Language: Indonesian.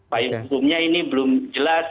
payung hukumnya ini belum jelas